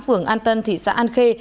phường an tân thị xã an khê